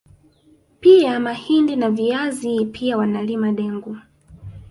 Pia mahindi na viazi pia wanalima dengu